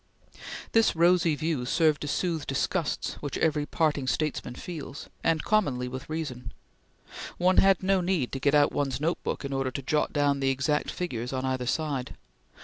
This rosy view served to soothe disgusts which every parting statesman feels, and commonly with reason. One had no need to get out one's notebook in order to jot down the exact figures on either side.